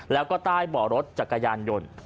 แล้วก็ใต้เบาะรถจักรยานยนต์